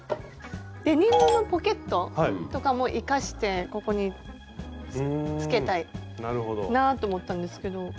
デニムのポケットとかも生かしてここにつけたいなと思ったんですけど。